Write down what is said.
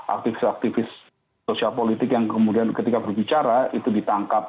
aktivis aktivis sosial politik yang kemudian ketika berbicara itu ditangkap